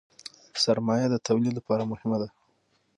سرمایه د تولید لپاره مهمه ده.